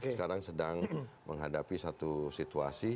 sekarang sedang menghadapi satu situasi